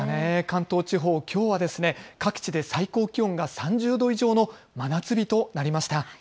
関東地方きょうは各地で最高気温が３０度以上の真夏日となりました。